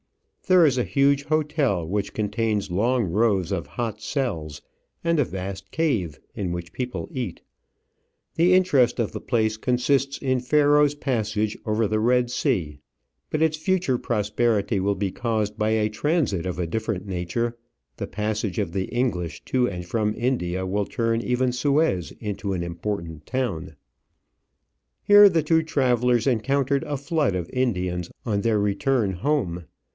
There is a huge hotel, which contains long rows of hot cells, and a vast cave in which people eat. The interest of the place consists in Pharoah's passage over the Red Sea; but its future prosperity will be caused by a transit of a different nature: the passage of the English to and from India will turn even Suez into an important town. Here the two travellers encountered a flood of Indians on their return home.